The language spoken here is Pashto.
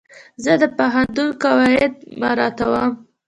زه د پوهنتون قواعد مراعتوم.